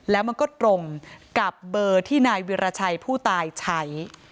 แล้วมันก็ตรงกับเบอร์ที่นายวิราชัยผู้ตายใช้